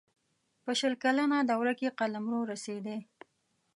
په شل کلنه دوره کې قلمرو رسېدی.